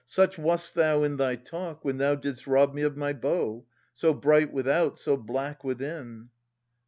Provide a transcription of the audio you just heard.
Such wast thou in thy talk. When thou didst rob me of my bow, — so bright Without, so black within.